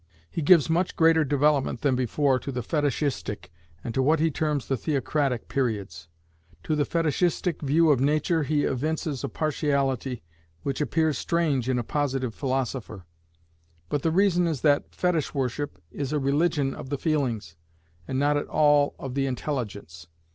He gives much greater development than before to the Fetishistic, and to what he terms the Theocratic, periods. To the Fetishistic view of nature he evinces a partiality, which appears strange in a Positive philosopher. But the reason is that Fetish worship is a religion of the feelings, and not at all of the intelligence.